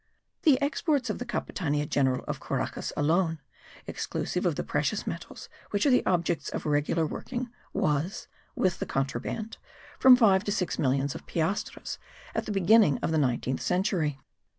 The exports of the Capitania General of Caracas alone, exclusive of the precious metals which are the objects of regular working, was (with the contraband) from five to six millions of piastres at the beginning of the nineteenth century.